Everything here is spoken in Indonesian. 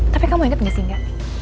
tapi kamu ingat gak sih nga